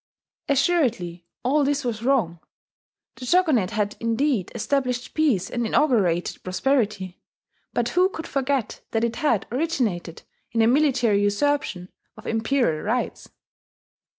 Assuredly all this was wrong. The Shogunate had indeed established peace and inaugurated prosperity; but who could forget that it had originated in a military usurpation of imperial rights?